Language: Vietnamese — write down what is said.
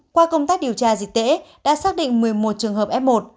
qua công tác điều tra dịch tễ đã xác định một mươi một trường hợp f một